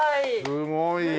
すごい！